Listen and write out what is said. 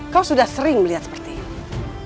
kau sudah sering melihat seperti ini